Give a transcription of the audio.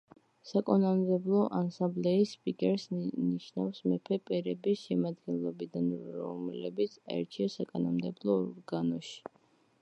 საკანონმდებლო ასამბლეის სპიკერს ნიშნავს მეფე პერების შემადგენლობიდან, რომლებიც აირჩიეს საკანონმდებლო ორგანოში.